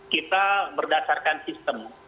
kita berdasarkan sistem